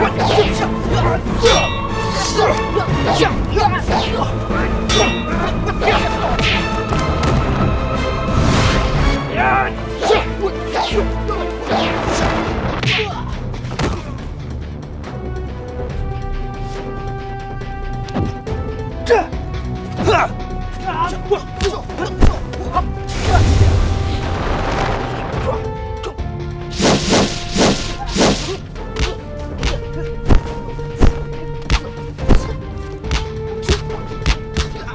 kau sudah menipuku banyak sumbah